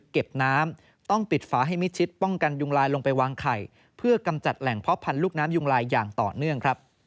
เก็บน้ำต้องปิดฝาให้มิดชิดป้องกันยุงลายลงไปวางไข่เพื่อกำจัดแหล่งเพาะพันธุลูกน้ำยุงลายอย่างต่อเนื่องครับ